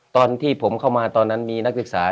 ตอนที่ผมเข้ามาตอนนั้นมีนักศึกษา